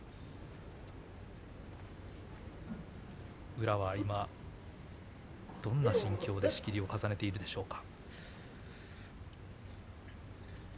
宇良は今、どんな心境で仕切りを重ねているでしょうか。